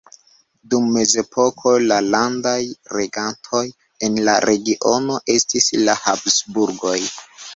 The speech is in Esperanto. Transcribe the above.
Dum mezepoko la landaj regantoj en la regiono estis la Habsburgoj.